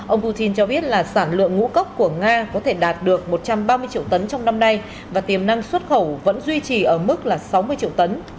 ông putin cho biết là sản lượng ngũ cốc của nga có thể đạt được một trăm ba mươi triệu tấn trong năm nay và tiềm năng xuất khẩu vẫn duy trì ở mức là sáu mươi triệu tấn